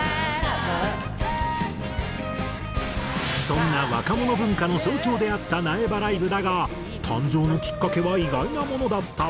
そんな若者文化の象徴であった苗場ライブだが誕生のきっかけは意外なものだった。